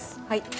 はい。